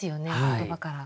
言葉から。